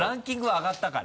上がったから。